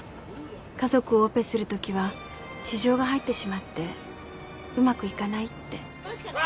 家族をオペするときは私情が入ってしまってうまくいかないって。